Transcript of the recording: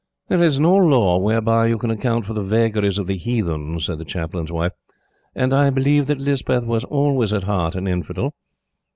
"There is no law whereby you can account for the vagaries of the heathen," said the Chaplain's wife, "and I believe that Lispeth was always at heart an infidel."